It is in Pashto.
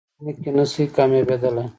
ازموینه کې نشئ کامیابدلی